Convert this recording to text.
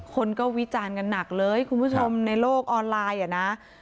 คนก็วิจารณ์กันหนักเลยคุณผู้ชมในโลกออนไลน์อ่ะนะ